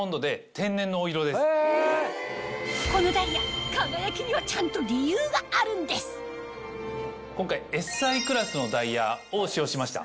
このダイヤ輝きにはちゃんと理由があるんです今回。を使用しました。